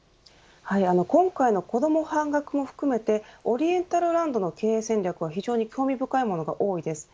今回の子ども半額も含めてオリエンタルランドの企業戦略は非常に興味深いものが多いです。